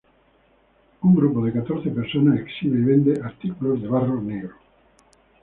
Un grupo de catorce personas exhibe y vende artículos de barro negro.